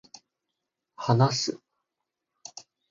話す